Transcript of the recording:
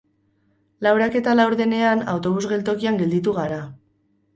Laurak eta laurdenean autobus geltokian gelditu gara